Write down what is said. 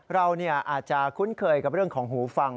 เราอาจจะคุ้นเคยกับเรื่องของหูฟัง